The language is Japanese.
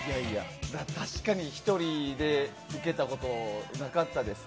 確かに１人で受けたことなかったです。